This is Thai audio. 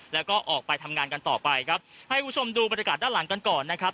แล้วก็ออกไปทำงานกันต่อไปครับให้คุณผู้ชมดูบรรยากาศด้านหลังกันก่อนนะครับ